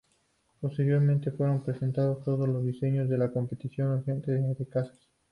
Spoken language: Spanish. Posteriormente fueron presentados todos los diseños a la Competición urgente de cazas.